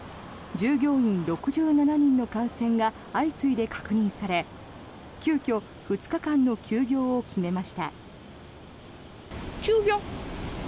従業員６７人の感染が相次いで確認され急きょ、２日間の休業を決めました。